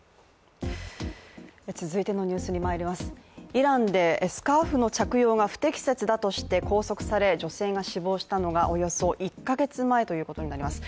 イランでスカーフの着用が不適切だとして拘束され女性が死亡したのがおよそ１か月前ということになります。